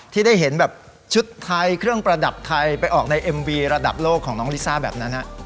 ที่ได้เห็นแบบชุดไทยเครื่องประดับไทยไปออกในเอ็มวีระดับโลกของน้องลิซ่าแบบนั้น